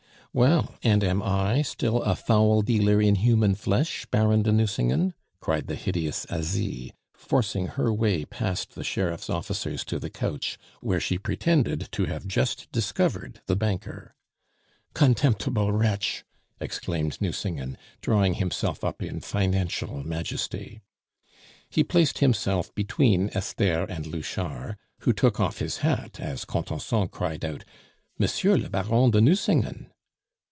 "Well, and am I still a foul dealer in human flesh, Baron de Nucingen?" cried the hideous Asie, forcing her way past the sheriff's officers to the couch, where she pretended to have just discovered the banker. "Contemptible wretch!" exclaimed Nucingen, drawing himself up in financial majesty. He placed himself between Esther and Louchard, who took off his hat as Contenson cried out, "Monsieur le Baron de Nucingen."